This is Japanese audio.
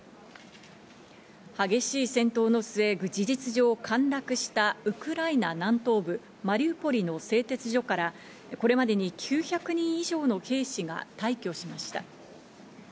激しい戦闘の末、事実上陥落したウクライナ南東部マリウポリの製鉄所からこれまでに９００人以上の兵士が退去しました。